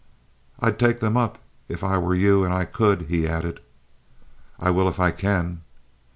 "I'd take them up if I were you and I could," he added. "I will if I can."